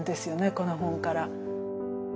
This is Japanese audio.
この本から。